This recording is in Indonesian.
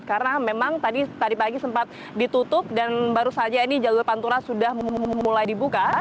karena memang tadi pagi sempat ditutup dan baru saja ini jalur pantura sudah mulai dibuka